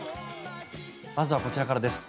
まずはこちらからです。